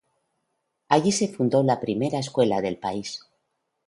Allí se fundó la primera escuela del país.